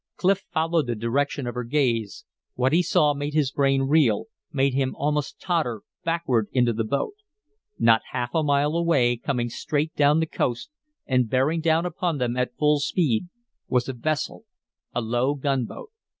Clif followed the direction of her gaze; what he saw made his brain reel, made him almost totter backward into the boat. Not half a mile away, coming straight down the coast and bearing down upon them at full speed, was a vessel, a low gunboat.